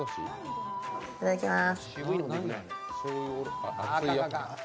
いただきます。